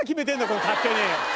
これ勝手に。